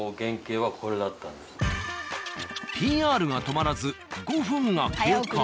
ＰＲが止まらず５分が経過。